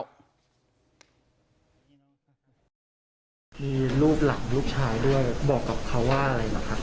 ลูกหลังลูกชายด้วยบอกกับเขาว่าอะไรนะครับ